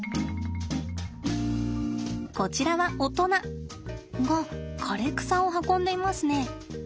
こちらは大人が枯れ草を運んでいますね。